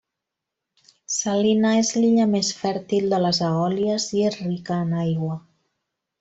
Salina és l'illa més fèrtil de les Eòlies i és rica en aigua.